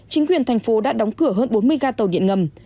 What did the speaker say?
chính quyền thành phố đã đóng cửa hơn bốn mươi ga tàu điện ngầm